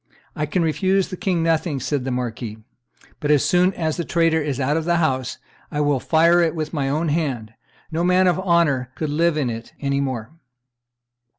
"I can refuse the king nothing," said the marquis; "but as soon as the traitor is out of the house, I will fire it with my own hand; no man of honor could live in it any more."